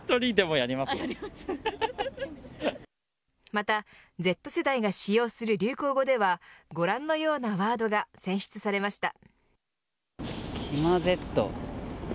また、Ｚ世代が使用する流行語ではご覧のようなワードが選出されました。